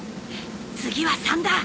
次は３だ！